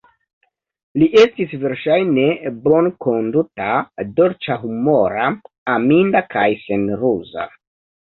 Li estis verŝajne bonkonduta, dolĉahumora, aminda kaj senruza.